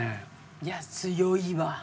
いや強いわ。